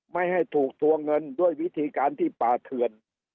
ไม่ให้ถูกทวงเงินด้วยวิธีการที่ป่าเถื่อน